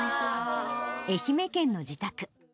愛媛県の自宅。